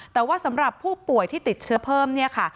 แต่ว่าสำหรับผู้ป่วยที่ติดเชื้อเพิ่มเนี่ยค่ะ